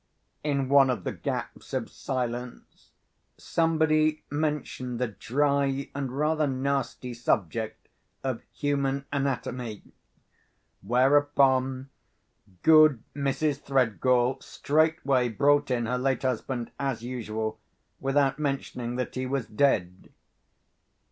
In one of the gaps of silence, somebody mentioned the dry and rather nasty subject of human anatomy; whereupon good Mrs. Threadgall straightway brought in her late husband as usual, without mentioning that he was dead.